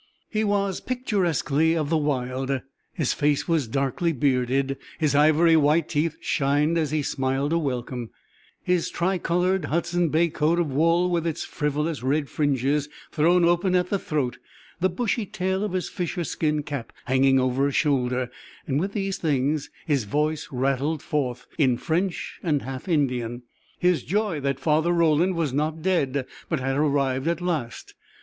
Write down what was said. He was picturesquely of the wild; his face was darkly bearded; his ivory white teeth shining as he smiled a welcome; his tricoloured, Hudson's Bay coat of wool, with its frivolous red fringes, thrown open at the throat; the bushy tail of his fisher skin cap hanging over a shoulder and with these things his voice rattling forth, in French and half Indian, his joy that Father Roland was not dead but had arrived at last.